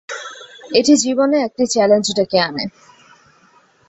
এটি জীবনে এটি একটি চ্যালেঞ্জ ডেকে আনে।